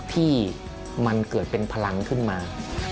ที่มันเกิดเป็นพลังขึ้นมา